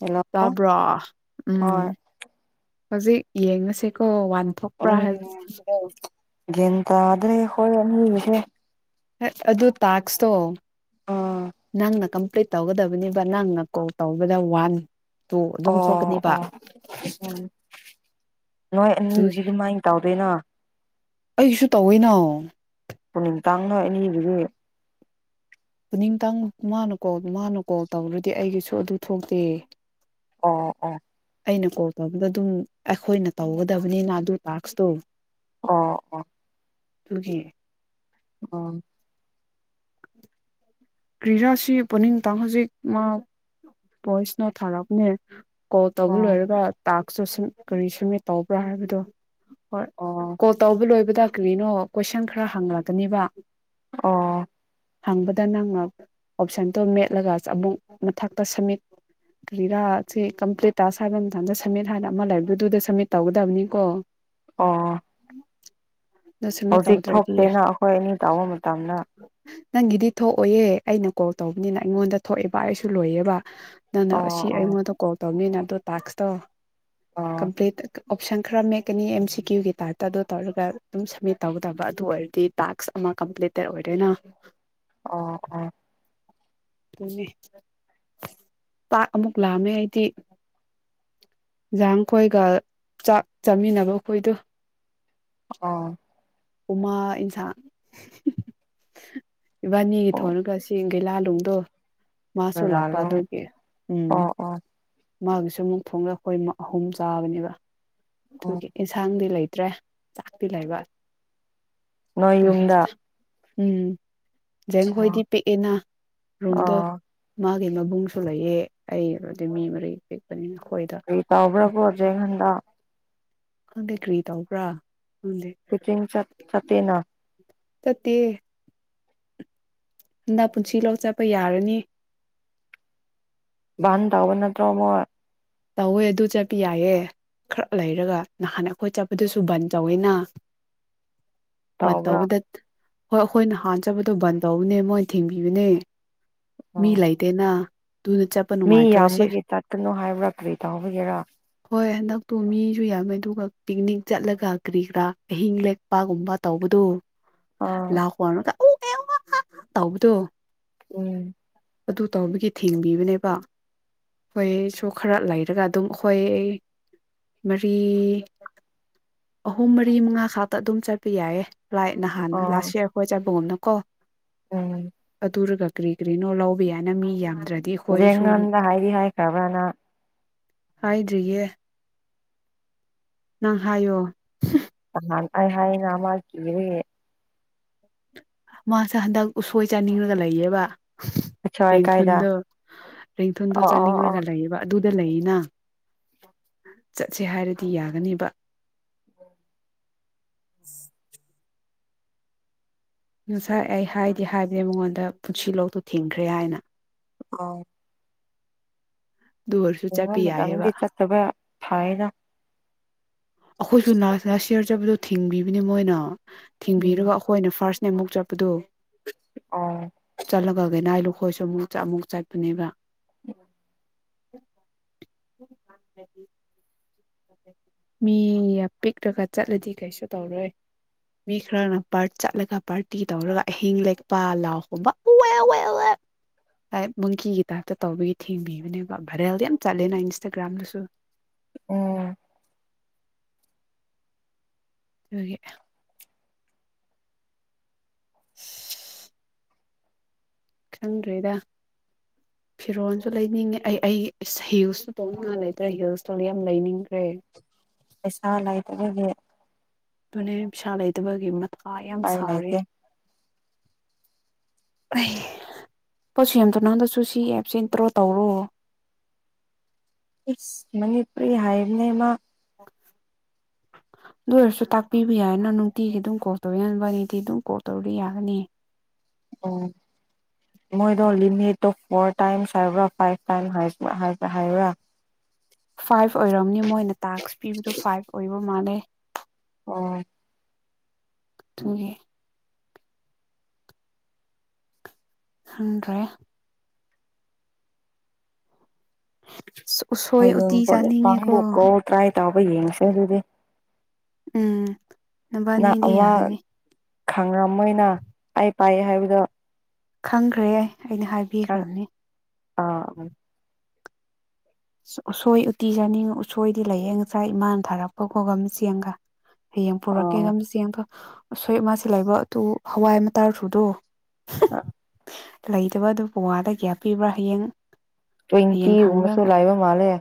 hello ꯇꯥꯕ꯭ꯔ ꯎꯝ ꯍꯣꯏ ꯍꯧꯖꯤꯛ ꯌꯦꯡꯉꯁꯤꯀꯣ ꯐꯣꯄ꯭ꯔꯥ ꯍꯥꯏꯜꯗꯤ ꯒꯤꯟꯇ꯭ꯔꯦ ꯍꯣꯏꯅꯤꯒꯤꯁꯦ ꯑꯗꯨ ꯇꯥꯛꯁꯇꯣ ꯎꯝ ꯅꯪꯅ ꯀꯝꯄ꯭ꯂꯤꯠ ꯇꯧꯒꯗꯕꯅꯦꯕ ꯅꯪꯅ ꯀꯣꯜ ꯇꯧꯕꯗ ꯋꯥꯟ ꯇꯨ ꯑꯗꯨꯝ ꯑꯣ ꯊꯣꯛꯀꯅꯦꯕ ꯑꯣ ꯎ ꯅꯣꯏ ꯑꯅꯤꯗꯨꯗꯤ ꯑꯗꯨꯒꯤ ꯑꯗꯨꯃꯥꯏꯅ ꯇꯧꯗꯣꯏꯅꯣ ꯑꯩꯁꯨ ꯇꯧꯋꯤꯅ ꯄꯨꯅꯤꯡ ꯇꯥꯡꯅ ꯑꯅꯤꯗꯨꯒꯤ ꯄꯨꯅꯤꯡꯇꯪ ꯃꯥꯅ ꯀꯣꯜ ꯃꯥꯅ ꯀꯣꯜ ꯇꯧꯔꯗꯤ ꯑꯩꯒꯤꯁꯨ ꯑꯗꯨ ꯊꯣꯛꯇꯦ ꯑꯣ ꯑꯣ ꯑꯩꯅ ꯀꯣꯜ ꯇꯧꯕꯗ ꯑꯗꯨꯝ ꯑꯩꯈꯣꯏꯅ ꯇꯧꯒꯗꯕꯅꯤꯅ ꯑꯗꯨ ꯇꯥꯛꯁꯇꯣ ꯑꯣ ꯑ ꯇꯨꯖꯤ ꯑ ꯀ꯭ꯔꯥꯁꯤ ꯄꯨꯅꯤꯡꯇꯪ ꯍꯧꯖꯤꯛ ꯃꯥ ꯚꯣꯏꯁꯅ ꯊꯥꯔꯛꯅꯦ ꯀꯣꯜ ꯇꯧꯕ ꯑꯣ ꯂꯣꯏꯔꯒ ꯇꯥꯛꯁꯨ ꯀꯔꯤ ꯁꯨꯝꯃꯤ ꯇꯧꯕ꯭ꯔꯥ ꯍꯥꯏꯕꯗꯣ ꯍꯣꯏ ꯑꯣ ꯀꯣꯜ ꯇꯧꯕ ꯂꯣꯏ ꯑꯗꯨꯗ ꯀꯔꯤꯅꯣ ꯀꯣꯏꯁꯟ ꯈꯔ ꯍꯪꯂꯛꯀꯅꯦꯕ ꯑꯣ ꯍꯪꯕꯗ ꯅꯪꯉ ꯑꯣꯞꯁꯟꯗꯣ ꯃꯦꯠꯂꯒ ꯑꯃꯨꯛ ꯃꯊꯛꯇ ꯁꯝꯃꯤꯠ ꯀꯔꯤꯔꯥꯁꯤ ꯀꯝꯄ꯭ꯂꯤꯠ ꯇꯥꯁ ꯍꯥꯏꯕ ꯃꯇꯝꯗ ꯁꯝꯃꯤꯠ ꯍꯥꯏꯅ ꯑꯃ ꯂꯩꯕꯗꯨꯗ ꯁꯝꯃꯤꯠ ꯇꯧꯒꯗꯕꯅꯤꯀꯣ ꯑꯣ ꯑꯗꯣ ꯁꯝꯃꯤꯠ ꯍꯧꯖꯤꯛ ꯇꯧꯗ꯭ꯔꯗꯤ ꯊꯣꯛꯇꯦꯅ ꯑꯩꯈꯣꯏ ꯑꯅꯤ ꯇꯥꯕ ꯃꯇꯝꯗ ꯅꯪꯒꯤꯗꯤ ꯊꯣꯛꯑꯣꯍꯦ ꯑꯩꯅ ꯀꯣꯜ ꯇꯧꯕꯅꯤꯅ ꯑꯩꯉꯣꯟꯗ ꯊꯣꯛꯑꯦꯕ ꯑꯩꯁꯨ ꯂꯣꯏꯌꯦꯕ ꯅꯪꯅ ꯑꯣ ꯑꯁꯤ ꯑꯣ ꯑꯩꯉꯣꯟꯗ ꯀꯣꯜ ꯇꯧꯅꯤꯅ ꯑꯗꯣ ꯇꯥꯛꯇ ꯑꯣ ꯀꯝꯄ꯭ꯂꯠ ꯑꯣꯞꯁꯟ ꯈꯔ ꯃꯠꯀꯅꯤ ꯑꯦꯝ ꯁꯤ ꯀ꯭ꯌꯨꯒꯤ ꯇꯥꯏꯞꯇ ꯑꯗꯨ ꯇꯧꯔꯒ ꯑꯗꯨꯝ ꯁꯝꯃꯤꯠ ꯇꯧꯗꯕ ꯑꯗꯨ ꯑꯣꯏꯔꯗꯤ ꯇꯥꯛꯁ ꯑꯃ ꯀꯝꯄ꯭ꯂꯤꯇꯦꯠ ꯑꯣꯏꯔꯣꯏꯅ ꯑꯣ ꯑꯣ ꯄꯥꯛ ꯑꯃꯨꯛ ꯂꯥꯑꯝꯃꯦ ꯑꯩꯗꯤ ꯌꯦꯟꯖꯥꯡ ꯈꯣꯏꯒ ꯆꯥꯛ ꯆꯥꯃꯤꯟꯅꯕ ꯑꯩꯈꯣꯏꯗꯣ ꯑꯥ ꯎꯃꯥ ꯏꯟꯁꯥꯡ ꯏꯕꯥꯅꯤꯒꯤ ꯑꯣ ꯊꯣꯡꯔꯒꯦꯡ ꯂꯥꯜꯨ ꯠꯇꯣ ꯃꯥꯁꯨ ꯂꯥꯛꯄ ꯂꯂꯣꯡ ꯑꯗꯨꯒꯤ ꯎꯝ ꯑꯣ ꯑꯣ ꯃꯥꯒꯤꯁꯨ ꯑꯃꯨꯛ ꯊꯣꯡꯗ ꯑꯩꯈꯣꯏ ꯑꯍꯨꯝ ꯆꯥꯕꯅꯦꯕ ꯑꯗꯨ ꯑꯣ ꯏꯟꯁꯥꯡꯗꯤ ꯂꯩꯇ ꯇ꯭ꯔꯦ ꯆꯥꯛꯄꯤ ꯂꯩꯕ ꯅ ꯑꯗꯨꯒꯤ ꯌꯨꯝꯗ ꯎꯝ ꯖꯦꯡ ꯑꯣ ꯍꯣꯏꯗꯤ ꯄꯤꯛꯑꯦꯅ ꯔꯨꯝꯗꯣ ꯑꯣ ꯃꯥ ꯑꯗꯨ ꯃꯕꯨꯡꯁꯨ ꯂꯩꯑ ꯑꯩ ꯑꯗꯨꯗꯤ ꯃꯤ ꯂꯩꯀꯅꯤ ꯀꯔꯤꯇꯥ ꯑꯣꯕ꯭ꯔꯒꯔ ꯖꯈꯟꯗ ꯈꯪꯗꯦ ꯀꯔꯤ ꯇꯧꯕ꯭ꯔꯥ ꯈꯪꯗꯦ ꯀꯆꯤꯡꯤꯡ ꯆꯠ ꯆꯇꯅ ꯇꯠꯇꯦ ꯍꯟꯗ ꯄꯨꯟꯁꯤ ꯂꯧ ꯆꯠꯄ ꯌꯥꯔꯅꯤ ꯥꯟ ꯇꯒꯕꯅꯠꯇꯣ ꯑꯃꯣꯏ ꯇꯧꯋꯦ ꯑꯗꯨ ꯆꯠꯄ ꯌꯥꯏꯑꯦ ꯈꯔ ꯂꯩꯔꯒ ꯅꯍꯥꯟ ꯑꯩꯈꯣꯏ ꯆꯠꯄꯗꯁꯨ ꯕꯟ ꯇꯧꯋꯦꯅꯥ ꯕꯟ ꯇꯧꯕ꯭ꯔꯥ ꯇꯧꯕꯗ ꯊꯠ ꯍꯣꯏ ꯑꯩꯈꯣꯏꯅ ꯅꯍꯥꯟ ꯆꯠꯄꯗꯣ ꯕꯟ ꯇꯧꯕꯅꯦ ꯃꯣꯏ ꯊꯤꯟꯕꯤꯕꯅꯦ ꯃꯤ ꯑꯣ ꯂꯩꯇꯦꯅꯥ ꯃꯤ ꯌꯥꯝꯕꯒꯤ ꯆꯠꯀꯅꯨ ꯍꯥꯏꯕ꯭ꯔ ꯀꯥꯔꯤ ꯇꯧꯕꯒꯤꯔꯥ ꯍꯣꯏ ꯍꯟꯗꯛꯇꯨ ꯃꯤꯁꯨ ꯌꯥꯝꯃꯦ ꯑꯗꯨꯒ ꯄꯤꯛꯅꯤꯛ ꯆꯠꯂꯒ ꯀꯔꯤ-ꯀꯔꯥ ꯑꯍꯤꯡ ꯂꯦꯛꯄꯒꯨꯝꯕ ꯇꯧꯕꯗꯨ ꯑꯥ ꯂꯥꯛꯀꯣꯋꯅꯨꯗ ꯎ ꯑꯦ ꯋꯥ ꯑꯥ ꯇꯧꯕꯗꯣ ꯎꯝ ꯑꯗꯨ ꯇꯧꯕꯒꯤ ꯊꯤꯡꯕꯤꯕꯅꯦꯕ ꯍꯣꯏ ꯁꯣꯛ ꯈꯔ ꯂꯩꯔꯒ ꯑꯗꯨꯝ ꯑꯩꯈꯣꯏ ꯑꯩ ꯃꯔꯤ ꯑꯍꯨꯝ ꯃꯔꯤ ꯃꯉꯥ ꯈꯥꯛꯛꯇ ꯑꯗꯨꯝ ꯆꯠꯄ ꯌꯥꯏꯌꯦ ꯂꯥꯏ ꯅꯍꯥꯟ ꯂꯥꯁ ꯏꯌꯥꯔ ꯑꯈꯣꯏ ꯆꯠꯕꯒꯨꯝꯅ ꯀꯣ ꯎꯨꯝ ꯇꯨꯔꯒ ꯀꯔꯤ ꯀꯔꯤꯅꯣ ꯂꯧꯕ ꯌꯥꯏꯅ ꯃꯤ ꯌꯥꯝ ꯖꯦꯉꯝꯗ ꯍꯥꯏꯗꯤ ꯍꯥꯏꯈ꯭ꯔꯕ ꯅꯪ ꯍꯥꯏꯗ꯭ꯔꯤꯌꯦ ꯅꯪ ꯍꯥꯏꯌꯣ ꯍ ꯥꯅꯍꯥꯟ ꯑꯩ ꯍꯥꯏꯅꯥ ꯃꯥꯟꯅ ꯀꯤꯕꯒꯤ ꯃꯥꯁꯦ ꯍꯟꯗꯛ ꯎꯁꯣꯏ ꯆꯥꯅꯤꯡꯉꯒ ꯂꯩꯌꯦꯕ ꯑꯁ꯭ꯋꯥꯏ ꯀꯥꯏꯗ ꯔꯦꯡꯊꯨꯟꯗ ꯔꯦꯡꯊꯨꯟꯗꯣ ꯑꯣ ꯑꯣ ꯑꯣ ꯆꯥꯅꯤꯡꯂꯒ ꯂꯩꯌꯦꯕ ꯑꯗꯨ ꯂꯩꯅ ꯆꯠꯁꯦ ꯍꯥꯏꯔꯗꯤ ꯌꯥꯒꯅꯦꯕ ꯉꯁꯥꯏ ꯑꯩ ꯍꯥꯏꯗꯤ ꯍꯥꯏꯕꯅꯤ ꯃꯉꯣꯟꯗ ꯄꯨꯟꯁꯤꯂꯣꯛꯇꯣ ꯊꯤꯡꯈ꯭ꯔꯦ ꯍꯥꯏꯅ ꯑꯣ ꯑꯗꯨ ꯑꯣꯏꯔꯁꯨ ꯆꯠꯄ ꯄꯨꯍꯪ ꯌꯥꯏꯑꯕ ꯃꯗꯉꯗꯤ ꯆꯠꯇꯕ ꯊꯥꯑꯦꯒꯥ ꯑꯈꯣꯏꯁꯨꯨ ꯂꯥꯁ ꯂꯥꯁꯌꯥꯔ ꯆꯠꯄꯗꯨ ꯊꯤꯡꯕꯤꯕꯅꯤ ꯃꯣꯏꯅ ꯎꯝ ꯊꯤꯡꯕꯤꯔꯒ ꯑꯩꯈꯣꯏꯅ ꯐꯥꯔꯁ ꯅꯃꯨꯛ ꯆꯠꯄꯗꯣ ꯑꯣ ꯆꯂꯒ ꯒꯦꯅꯥꯏ ꯂꯨ ꯑꯩꯈꯣꯏꯁꯨ ꯑꯃꯨꯛ ꯆꯠ ꯑꯃꯨꯛ ꯆꯠꯄꯅꯦꯕ ꯎꯨ [inaudible] ꯃꯤ ꯌꯥꯝ ꯄꯤꯛꯇꯒ ꯆꯠꯂꯗꯤ ꯀꯩꯁꯨ ꯇꯧꯔꯣꯏ ꯃꯤ ꯈꯔꯅ ꯆꯠꯂꯒ ꯄꯥꯔꯇꯤ ꯇꯧꯔꯒ ꯑꯍꯤꯡ ꯂꯦꯛꯄ ꯂꯥꯎꯒꯨꯝꯕ ꯃꯨꯡꯡꯀꯤꯒꯤ ꯇꯥꯏꯞꯇ ꯇꯧꯕꯒꯤ ꯊꯤꯡꯕꯤꯕꯅꯦꯕ ꯚꯥꯏꯔꯦꯜꯗꯤ ꯌꯥꯝ ꯆꯠꯂꯦꯅ ꯏꯟꯁꯇꯥꯒ꯭ꯔꯥꯝꯗꯁꯨ ꯎꯨꯝ ꯑꯗꯨꯒꯤ ꯁꯤꯍ ꯈꯪꯗ꯭ꯔꯦꯗ ꯐꯤꯔꯣꯜꯁꯨ ꯂꯩꯅꯤꯡꯉꯦ ꯑꯩ ꯑꯩ ꯍꯤꯜꯁꯁꯨ ꯇꯣꯡꯅꯤꯡꯉꯥꯏ ꯂꯩꯇ꯭ꯔꯦ ꯍꯤꯜꯁꯇꯣ ꯌꯥꯝ ꯂꯩꯅꯤꯡꯉꯤ ꯄꯩꯁꯥ ꯂꯥꯏꯇ ꯑꯗꯨꯦ ꯃꯅꯦ ꯁꯥ ꯑꯗꯕ ꯃ ꯀ ꯌꯥꯝ ꯎꯄꯥꯏ ꯁꯥꯔꯦ ꯂꯩꯇꯦ ꯑꯩ ꯄꯣꯠꯁꯨ ꯌꯥꯝꯗꯧ ꯅꯪꯗꯁꯨ ꯁꯤ ꯑꯦꯞꯁꯦ ꯗ꯭ꯔꯣ ꯇꯧꯔꯣ ꯃꯅꯤꯄꯨꯔꯤ ꯍꯥꯏꯅꯦ ꯃꯥ ꯑꯗꯨ ꯑꯣꯏꯔꯁꯨ ꯇꯥꯛꯄꯤꯕ ꯌꯥꯏꯅ ꯅꯨꯡꯇꯤꯒꯤ ꯑꯗꯨꯝ ꯀꯣꯛꯜ ꯇꯧ ꯌꯥꯕ ꯅꯨꯡꯇꯤ ꯑꯗꯨꯝ ꯀꯣꯛꯜ ꯇꯧꯗꯤ ꯌꯥꯒꯅꯤ ꯎꯝ ꯃꯣꯏꯗꯣ ꯂꯤꯃꯤꯠꯇꯠꯇꯣ ꯐꯣꯔ ꯇꯥꯏꯝꯁ ꯍꯥꯏꯕ꯭ꯔꯥ ꯐꯥꯏꯚ ꯇꯥꯏꯝ꯭ꯔ ꯍꯥꯏꯕ꯭ꯔꯥ ꯐꯥꯏꯚ ꯑꯣꯏꯔꯝꯅꯤ ꯃꯣꯏꯅ ꯇꯥꯛꯁ ꯄꯤꯕꯗꯨ ꯐꯥꯏꯚ ꯑꯣꯏꯕ ꯃꯥꯥꯟꯅꯩ ꯑꯣ ꯊꯒꯦ ꯑꯟꯦ ꯎꯁꯣꯏ ꯎꯇꯤ ꯆꯥꯅꯤꯡꯉꯦꯀꯣ ꯑꯗꯨꯉꯣꯛ ꯀꯣ ꯇ꯭ꯔꯥꯏ ꯇ ꯑ ꯌꯦꯡ ꯆ ꯑꯗꯨꯗꯦ ꯎꯝ ꯅꯨꯕꯥꯅꯤꯗꯤ ꯌꯥꯒꯅꯤ ꯈꯥꯡꯉꯝꯃꯣꯏꯅ ꯑꯩ ꯄꯥꯛꯑ ꯍꯥꯏꯕꯗꯣ ꯈꯪꯈ꯭ꯔꯦ ꯑꯩꯅ ꯈꯪ ꯍꯥꯏꯕꯤꯈ꯭ꯔꯕꯅꯤ ꯑ ꯎꯁꯣꯏ ꯎꯇꯤ ꯆꯥꯅꯤꯡꯉ ꯎꯁꯣꯏꯗꯤ ꯂꯌꯦꯡ ꯉꯁꯥꯏ ꯏꯃꯥꯅ ꯊꯥꯔꯛꯄ ꯈꯣꯒꯝ ꯆꯦꯡꯒ ꯍꯌꯦꯡ ꯑ ꯄꯨꯔꯛꯀꯦꯒꯝ ꯆ ꯌꯦꯡꯕ ꯑꯁꯣꯏ ꯃꯥꯁꯤꯦ ꯂꯩꯕ ꯑꯗꯨ ꯍꯋꯥꯏ ꯑꯃ ꯇꯥꯔ ꯊꯨꯗꯣ ꯂꯩꯇꯕ ꯑꯗꯨꯕꯨ ꯋꯥꯗ ꯀꯌꯥ ꯄꯤꯕ꯭ꯔꯥ ꯍꯌꯦꯡ ꯇ꯭ꯋꯦꯟꯇꯤ ꯍꯌꯦꯡ ꯍꯪꯔꯒ ꯎꯁꯨꯂꯕ ꯃꯥꯦ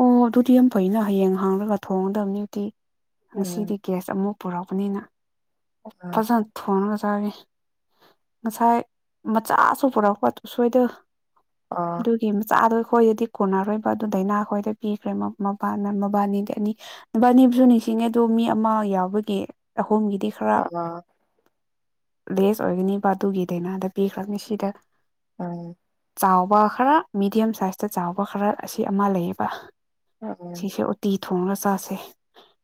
ꯑꯣ ꯑꯗꯨꯗꯤ ꯌꯥꯝ ꯐꯩꯅ ꯍꯌꯦꯡ ꯍꯥꯡꯉꯒ ꯊꯣꯡꯒꯗꯕꯅꯤꯗꯤ ꯎꯝ ꯉꯁꯤꯗꯤ ꯒꯦꯁ ꯑꯃꯨꯛ ꯄꯨꯔꯛꯄꯅꯤꯅ ꯄꯁ ꯊꯅ ꯉꯁꯥꯏ ꯃꯆꯥꯁꯨ ꯄꯨꯔꯛꯀ ꯁꯣꯏꯗ ꯑꯥ ꯑꯗꯨꯒꯤ ꯃꯆꯥꯗꯣ ꯍꯣꯏꯗꯤ ꯀꯣꯟꯅꯔꯣꯏꯕ ꯑꯗꯨ ꯗꯥꯏꯅꯥ ꯍꯈꯣꯏꯗ ꯄꯤꯈ꯭ꯔꯦ ꯃꯕꯥꯅꯤꯗ ꯑꯅꯤ ꯃꯕꯥꯅꯤꯕꯨꯁꯨ ꯅꯤꯡꯁꯤꯡꯉꯤ ꯑꯗꯨꯣ ꯃꯤ ꯑꯃ ꯌꯥꯎꯕꯒꯤ ꯑꯣꯝꯒꯤꯗꯤ ꯈꯔ ꯑꯥ ꯂꯦꯁ ꯑꯣꯏꯒꯅꯤ ꯕꯥ ꯑꯗꯨꯒꯤꯗꯩꯅꯗ ꯄꯤꯈ꯭ꯔꯕꯅꯤ ꯁꯤꯗ ꯑꯝ ꯆꯥꯎꯕ ꯈꯔ ꯃꯤꯦꯗꯤꯌꯝ ꯁꯥꯏꯖꯇ ꯆꯥꯎꯕ ꯈꯔ ꯑꯁꯤ ꯑꯃ ꯂꯩꯌꯦꯕ ꯎꯝ ꯁꯤꯁꯦ ꯑꯣ ꯇ ꯊꯣꯡꯉꯒ ꯆꯥꯁꯦ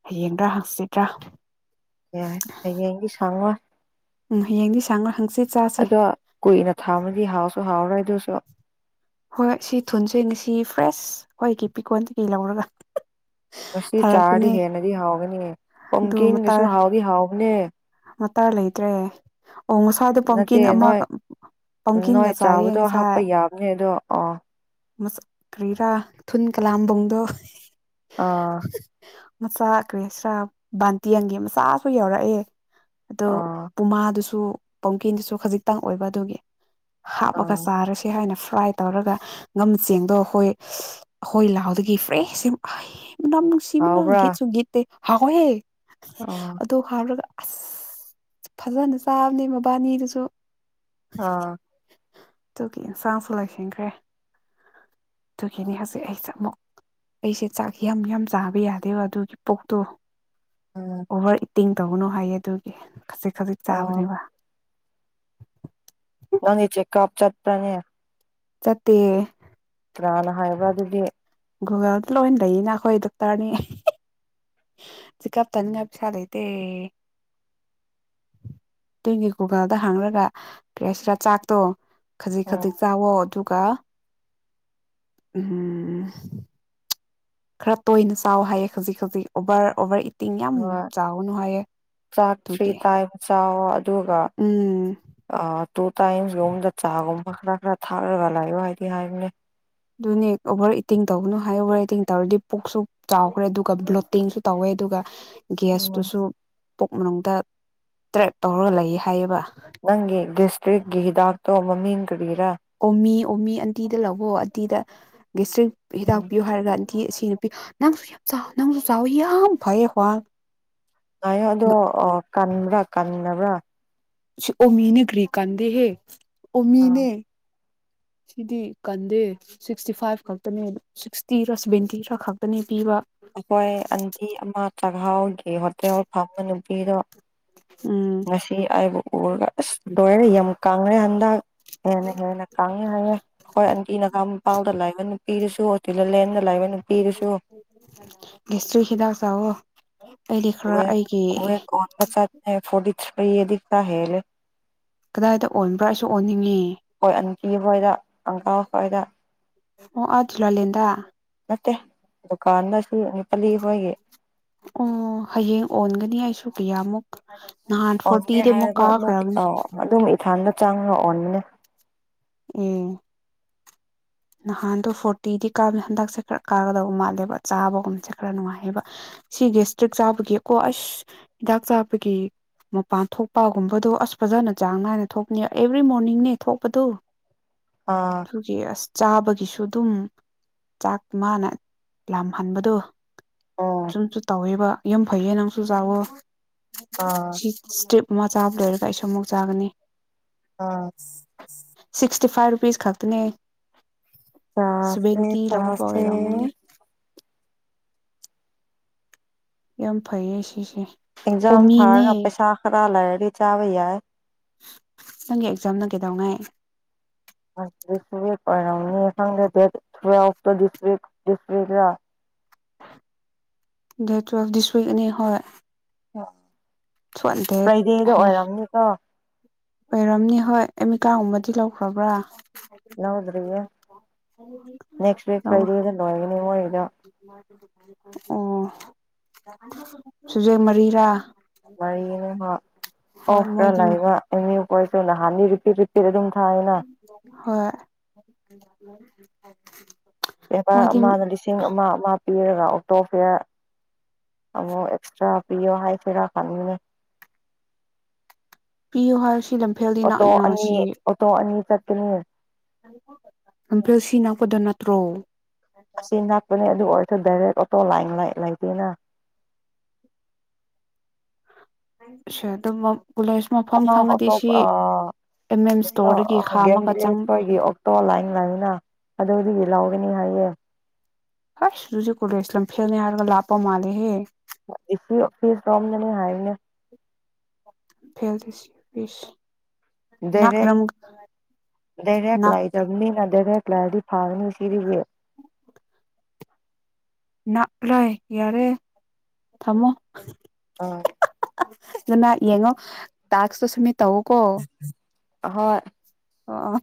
ꯍꯌꯦꯡꯗ꯭ꯔꯥ ꯍꯪꯆꯤꯠꯇ꯭ꯔꯥ ꯌꯥꯔ ꯀ ꯌꯥꯒꯤ ꯁꯥꯎ ꯎꯝ ꯍꯌꯦꯡꯗꯤ ꯁꯥꯡꯅ ꯍꯪ ꯑꯗꯣ ꯀꯨꯏꯅ ꯊꯥꯝꯃꯗꯤ ꯍꯥꯎꯁꯨ ꯍꯥꯎꯔꯣꯏꯗ ꯇ ꯍꯣꯏ ꯁꯤ ꯊꯨꯟꯁꯦ ꯉꯁꯤ ꯐ꯭ꯔꯦꯁ ꯍꯣꯏꯒꯤ ꯄꯤꯀꯣꯟꯗꯒꯤꯗꯒꯤꯩ ꯂꯧꯔꯒ ꯉꯁꯤ ꯆꯥꯔꯗꯤ ꯊꯥꯔꯛꯄꯅꯦ ꯍꯦꯟꯅꯗꯤ ꯍꯥꯎꯒꯅꯤ ꯑꯗꯨ ꯄꯝꯀꯤꯟꯒꯁꯨ ꯍꯥꯎꯗꯤ ꯍꯥꯎꯕꯅꯦ ꯃꯇꯥ ꯂꯩꯇ꯭ꯔꯦ ꯑꯣ ꯉꯁꯥꯗꯣ ꯅꯠꯇꯦ ꯄꯝꯀꯤꯟ ꯅꯣꯏ ꯑꯃꯒ ꯄꯝꯀꯤꯟꯒ ꯅꯣꯏ ꯆꯥꯏꯌꯦ ꯆꯥꯕꯗꯣ ꯉꯁꯥꯏ ꯍꯥꯞꯄ ꯌꯥꯕꯅꯦ ꯑꯗꯣ ꯑꯣ ꯃꯁꯛ ꯀꯔꯤꯔꯥ ꯊꯨꯟ ꯀꯂꯥꯝꯕꯣꯡꯗꯣ ꯑꯥ ꯃꯆꯥ ꯀ꯭ꯔꯦ ꯁꯥꯔ ꯕꯥꯟꯇꯦꯟꯒꯤꯦ ꯃꯆꯥꯁꯨ ꯌꯥꯎꯔꯛꯑꯦ ꯑꯗꯣ ꯑꯥ ꯄꯨꯃꯥꯗꯨꯁꯨ ꯄꯣꯡꯀꯤꯗꯨꯁꯨ ꯈꯖꯤꯛꯇꯪ ꯑꯣꯏꯕ ꯑꯗꯨꯒꯤ ꯍꯥꯞꯄꯒ ꯑꯥ ꯆꯥꯔꯁꯤ ꯍꯥꯏꯅ ꯐ꯭ꯔꯥꯏ ꯇꯧꯔꯒ ꯉꯝ ꯆꯦꯡꯗꯣ ꯑꯩꯈꯣꯏ ꯑꯩꯈꯣꯏ ꯂꯥꯎꯗꯒꯤ ꯐ꯭ꯔꯦꯁ ꯌꯥꯝ ꯃꯗꯥ ꯃꯅꯨꯡꯁꯤꯕꯅꯒ ꯍꯥꯎꯕ꯭ꯔꯥ ꯒꯤꯁꯨꯒꯤꯠꯇ ꯍꯍꯣꯍꯦ ꯑꯣ ꯍꯥꯎꯔꯒ ꯑꯁ ꯐꯖꯅ ꯆꯥꯕꯅꯦ ꯃꯕꯥꯅꯤꯗꯨꯁꯨ ꯑꯥ ꯑꯗꯨꯒꯤ ꯏꯟꯁꯥꯡꯁꯨ ꯂꯥꯏꯁꯟꯈ꯭ꯔꯦ ꯑꯗꯨꯒꯤꯅꯦ ꯍꯧꯖꯤꯛ ꯑꯩꯁꯦ ꯑꯃꯨꯛ ꯑꯩꯁꯦ ꯆꯥꯛ ꯌꯥꯝ ꯌꯥꯝ ꯆꯥꯕ ꯌꯥꯗꯦꯕ ꯑꯗꯨꯒꯤ ꯄꯣꯛꯇꯣ ꯑꯣ ꯇꯦꯡ ꯇꯧꯕꯅꯣ ꯍꯥꯏꯌꯦ ꯑꯗꯨꯒꯤ ꯈꯖꯤꯛ ꯈꯖꯤꯛ ꯑꯣ ꯆꯥꯕꯅꯦꯕ ꯅꯅꯤ ꯆꯦꯛꯀꯞ ꯆꯠꯄ꯭ꯔꯅꯦ ꯆꯠꯇ ꯇꯔꯥꯅ ꯍꯥꯏꯕ ꯑꯗꯨꯗꯤ ꯒꯨꯒꯜꯗ ꯂꯣꯏ ꯂꯩꯅ ꯑꯩꯈꯣꯏ ꯗꯣꯛꯇꯔꯅꯤ ꯆ ꯀꯞꯇꯅꯤꯡꯉꯥꯏ ꯄꯩꯁꯥ ꯂꯩꯇꯦ ꯇꯨꯡꯒꯤ ꯒꯨꯒꯜꯗ ꯍꯥꯡꯈꯔꯒ ꯀꯁꯤꯔ ꯆꯥꯛꯇꯣ ꯈꯖꯤꯛ ꯈꯖꯤꯛ ꯑꯣ ꯆꯥꯛꯋꯣ ꯑꯗꯨ ꯀꯀꯥ ꯎꯝ ꯈꯔ ꯇꯣꯏꯅ ꯆꯥꯎ ꯍꯥꯏꯌꯦꯦ ꯈꯖꯤꯛ ꯈꯖꯤꯛ ꯑꯣꯚꯔ ꯑꯣꯕꯔ ꯑ ꯆꯥꯛꯇꯔꯤ ꯑꯗꯨꯒꯤ ꯇꯥꯏꯕ ꯆ ꯑꯣ ꯑꯗꯨꯒ ꯎꯝ ꯇꯨ ꯇꯥꯏꯝꯁ ꯌꯣꯡ ꯗ ꯆꯒꯨꯝ ꯃꯈ ꯈꯔꯥ ꯈꯔ ꯊꯥꯔꯕ ꯂꯑꯣ ꯍꯥꯏꯗꯤ ꯍꯥꯏꯅꯦ ꯑꯗꯨꯅꯦ ꯑꯣꯚꯔ ꯏꯇꯤꯡ ꯇꯧꯕꯅꯨ ꯍꯥꯏ ꯑꯣꯚꯔ ꯏꯇꯤꯡ ꯇꯧꯔꯗꯤ ꯄꯨꯛꯁꯨ ꯆꯥꯎꯈ꯭ꯔꯦ ꯑꯗꯨꯒ ꯕ꯭ꯂꯣꯠꯇꯤꯡꯁꯨ ꯇꯧꯋꯦ ꯑꯗꯨꯒ ꯎꯝ ꯒꯁꯇꯨꯁꯨ ꯄꯨꯛ ꯃꯅꯨꯡꯗ ꯇ꯭ꯔꯦꯛ ꯇꯧꯔꯒ ꯂꯩꯌꯦ ꯍꯥꯏꯌꯦꯕ ꯅꯪꯒꯤ ꯒꯦꯁꯇ꯭ꯔꯤꯛꯀꯤ ꯍꯤꯗꯥꯛꯇꯣ ꯃꯃꯤꯡ ꯀꯔꯤꯔꯥ ꯑꯣꯃꯤ ꯑꯣꯃꯤ ꯑꯟꯇꯤꯗ ꯂꯧꯕꯣ ꯑꯇꯤꯗ ꯒꯁꯇ꯭ꯔꯤꯛ ꯎꯝ ꯍꯤꯗꯥꯛꯄꯤꯤꯌꯨ ꯍꯥꯏꯔꯒ ꯑꯁꯤ ꯅꯨꯄꯤ ꯅꯪꯁꯨ ꯌꯥꯝ ꯆꯥꯎ ꯅꯪꯁꯨ ꯆꯥꯎꯋ ꯌꯥꯝ ꯐꯩꯌꯦ ꯍ꯭ꯋꯥꯡ ꯑꯌꯦꯣ ꯑ ꯀꯟ꯭ꯔꯛ ꯀꯟꯅꯕ꯭ꯔꯥ ꯑꯣꯃꯤꯅꯦꯒ꯭ꯔꯤꯛ ꯀꯗ ꯍꯦ ꯑꯣꯃꯤꯅꯦ ꯁꯤꯗꯤ ꯀꯟꯗꯦ ꯁꯤꯛꯁꯇꯤ ꯐꯥꯏꯚ ꯈꯛꯇꯅꯦ ꯁꯤꯛꯁꯇꯤꯔ ꯁꯚꯦꯟꯇꯤ ꯈꯔ ꯈꯛꯇꯅꯦ ꯄꯤꯕ ꯑꯩꯈꯣꯏ ꯑꯟꯇꯤ ꯑꯃ ꯆꯥꯛꯍꯥꯎꯒꯤ ꯍꯣꯇꯦꯜ ꯐꯝꯕ ꯅꯨꯄꯤꯗꯣ ꯎꯝ ꯉꯁꯤ ꯍꯥꯏꯕꯨ ꯎꯔ ꯑꯁ ꯂꯔꯦ ꯌꯥꯝ ꯀꯉꯦ ꯍꯟꯗꯛ ꯍꯦꯟꯅ ꯍꯦꯟꯅ ꯀꯥꯡꯉꯦ ꯍꯥꯏꯥꯡꯉꯦ ꯍꯣꯏ ꯑꯟꯇꯤꯅꯒ ꯄꯥꯎꯗ ꯂꯩꯥꯏꯕꯅꯤ ꯏꯁꯨꯒꯤꯂꯦ ꯅꯅꯂꯥꯏꯦꯟ ꯁꯇ꯭ꯔꯤ ꯍꯈꯤꯗꯥꯥꯛ ꯆ ꯑꯣꯣ ꯀꯣꯟ ꯆ ꯐ ꯌꯦꯗꯤ ꯆꯍ ꯀꯗꯥꯏꯗ ꯑꯣꯟꯕ꯭ꯔꯥ ꯑꯩꯁꯨ ꯑꯣꯟꯅꯤꯡꯉꯤ ꯐꯥꯏꯗ ꯑꯣ ꯑꯖꯨ ꯂ ꯂꯩꯗ ꯗꯨꯀꯥꯟꯗ ꯁꯤꯅꯤꯄꯥꯂꯤ ꯑꯩꯈꯣꯏꯒꯤ ꯑꯣ ꯍꯌꯦꯡ ꯑꯣꯟꯒꯅꯤ ꯑꯩꯁꯨ ꯀꯌꯥꯃꯨꯛ ꯅꯍꯥꯟ ꯑꯣꯟꯗꯦ ꯐꯣꯔꯇꯤꯗꯤ ꯑꯃꯨꯛ ꯍꯔꯗꯨꯛ ꯀꯥꯈ꯭ꯔꯕꯅꯤ ꯑ ꯑꯗꯨ ꯑꯗꯨꯝ ꯏꯊꯥꯟꯗ ꯆꯥꯡꯅ ꯑꯩꯅ ꯎꯝ ꯅꯍꯥꯟꯗꯣ ꯐꯣꯔꯇꯤꯗꯤ ꯀꯥꯕꯅꯤ ꯍꯟꯗꯛꯁꯦ ꯈꯔ ꯀꯥꯒꯗꯕ ꯃꯥꯜꯂꯦꯕ ꯆꯥꯕꯒꯨꯝꯕꯁꯦ ꯈꯔ ꯅꯨꯡꯉꯥꯏꯌꯦꯕ ꯁꯤꯒꯤ ꯏꯁꯇ꯭ꯔꯤꯛ ꯆꯥꯕꯒꯤꯀꯣ ꯑꯁ ꯍꯤꯗꯥꯛ ꯆꯥꯕꯒꯤ ꯃꯄꯥꯟ ꯊꯣꯛꯄꯒꯨꯝꯕꯗꯣ ꯑꯁ ꯐꯖꯅ ꯆꯥꯡ ꯅꯥꯏꯅ ꯊꯣꯛꯅꯤ ꯑꯦꯕ꯭ꯔꯤ ꯃꯣꯔꯅꯤꯡꯅꯦ ꯊꯣꯛꯄꯗꯨ ꯑꯥ ꯊꯒꯤ ꯑꯁ ꯆꯥꯕꯒꯤꯁꯨ ꯑꯗꯨꯝ ꯆꯥꯛ ꯃꯥꯅ ꯂꯥꯝꯍꯟꯕꯗꯣ ꯑꯣ ꯁꯨꯝꯁꯨ ꯇꯧꯋꯦꯕ ꯌꯥꯝ ꯐꯩꯌꯦ ꯅꯪꯁꯨ ꯆꯥꯛꯋꯣ ꯑꯥ ꯁꯤꯁꯇꯦꯞ ꯃꯃꯥ ꯆꯥꯕ ꯂꯩꯣꯏꯔꯒ ꯑꯩꯁꯨ ꯑꯃꯨꯛ ꯆꯥꯒꯅꯤ ꯑꯥ ꯐꯤꯇꯤ ꯐꯥꯏꯚ ꯔꯨꯄꯤꯁ ꯈꯛꯇꯅꯦ ꯆꯥꯁꯦ ꯁꯚꯦꯟꯇꯤ ꯂꯧꯕ ꯆꯥꯥꯁꯦ ꯑꯣꯏꯔꯝꯒꯅꯤ ꯌꯥꯝ ꯐꯩꯌꯦ ꯁꯤꯁꯦ ꯑꯦꯛꯖꯝ ꯑꯣꯃꯤꯅꯦ ꯊꯥꯔ ꯄꯩꯁꯥ ꯈꯔꯂ ꯆꯥꯕ ꯌꯥ ꯅꯪꯒꯤ ꯑꯦꯛꯖꯥꯝꯅ ꯀꯩꯗꯧꯉꯥꯏ ꯁꯥꯡ ꯊꯛꯇꯁꯗꯤꯁꯔꯤꯛ ꯗꯦ ꯇ ꯗꯤꯁ ꯎꯏꯛ ꯑꯦꯅꯦ ꯍ ꯑ ꯐ꯭ꯔꯥꯏꯗꯦꯗ ꯍꯩ ꯑꯣꯏꯔꯝꯅꯤꯀꯣ ꯑꯣꯏꯔꯝꯅꯤ ꯍꯣꯏ ꯑꯦꯃꯤꯀꯥꯒꯨꯝꯕꯗꯤ ꯂꯧꯈ꯭ꯔꯕ꯭ꯔꯥ ꯍꯎꯗ꯭ꯔꯔꯤ ꯅꯦꯛꯁꯤꯛ ꯂꯧ ꯐ꯭ꯔꯩꯗꯦ ꯏꯅꯋꯥꯒꯦꯅꯤꯉꯣꯏꯒ ꯑꯣ ꯁꯨꯖꯦ ꯃꯔꯤꯔꯥ ꯃꯔꯤꯩꯅ ꯍ ꯍꯣꯏ ꯑꯣꯐꯔ ꯃꯣꯏꯗꯤ ꯂꯑꯒ ꯀꯣꯏ ꯁꯅ ꯍꯥꯟꯅꯤ ꯔꯤꯄꯤꯔ ꯔꯤꯄꯤꯔ ꯑꯗꯨꯝ ꯊꯥꯏꯑꯅ ꯍꯣꯏ ꯕꯦꯄꯥꯔ ꯃꯣꯏꯗꯤ ꯑꯃꯅ ꯂꯤꯁꯤꯡ ꯑꯃ ꯃꯥ ꯄꯤꯔꯒ ꯑꯣ ꯇꯣꯐꯌꯥ ꯑꯃꯨꯛ ꯑꯦꯛꯁꯇ꯭ꯔꯥ ꯄꯤꯌꯣ ꯍꯥꯏꯁꯤꯔꯥ ꯐꯉꯅꯦ ꯄꯕꯤꯨꯍꯁ ꯑꯣꯣ ꯑꯅꯤ ꯑꯣꯣ ꯑꯅꯤ ꯆ ꯅ ꯑꯁꯤꯅꯥ ꯀꯗ ꯅꯠꯇ꯭ꯔꯣ ꯑꯁꯤ ꯉꯥꯛꯄꯅꯦ ꯑꯗꯨ ꯑꯣꯏꯔꯊ ꯗꯥꯏꯔꯦ ꯇꯇꯣ ꯂꯥꯏ ꯂꯥꯏꯇꯦꯅ ꯑꯗꯨ ꯇꯣꯞ ꯑꯦꯝ ꯑꯦꯝ ꯏꯁꯇꯣꯔꯗꯒꯤ ꯈꯥꯝꯃꯒ ꯆꯪ ꯒꯦꯝꯣꯏꯒꯤ ꯑꯣꯛꯇꯣ ꯂꯥꯏꯟ ꯂꯥꯏꯅ ꯑꯗꯨ ꯂꯑꯣꯒꯤꯅꯤ ꯍꯥꯏꯌꯦ ꯍꯣꯏ ꯁꯖ ꯀꯁꯂꯝ ꯐꯦꯅ ꯍꯥꯔꯒ ꯂꯞꯄ ꯃꯥꯂꯦ ꯍꯦ ꯏꯁ ꯐ ꯀꯣꯝꯗꯅꯤ ꯍꯥꯏꯅꯦ ꯐꯦꯜꯇꯁꯤ ꯤꯁ ꯗꯦꯔꯦꯛ ꯗꯦꯔꯦꯛ ꯅꯥꯛ ꯂꯥꯏꯖꯝꯅꯤꯅ ꯗꯦꯔꯦꯛ ꯂꯥꯏꯗꯤ ꯐꯥꯒꯅꯤ ꯁꯤꯗꯤ ꯅꯥꯥꯛꯂꯥꯏ ꯌꯥꯔꯦ ꯊꯝꯃꯣ ꯑꯥ ꯑꯗꯨꯅ ꯌꯦꯡꯉꯣ ꯇꯥꯛꯁꯇꯣ ꯁꯃꯤ ꯇꯧꯀꯣ ꯍꯣꯏ ꯑꯥ